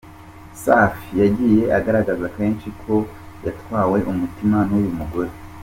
Safi yagiye agaragaza kenshi ko yatwawe umutima n'uyu mugore.